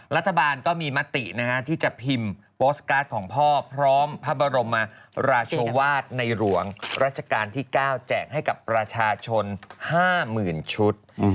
รัฐบาลก็มีมติที่จะพิมพ์โพสต์การ์ดของพ่อพร้อมพระบรมราชวาสในหลวงรัชกาลที่๙แจกให้กับประชาชน๕๐๐๐ชุด